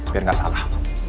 biar nggak salah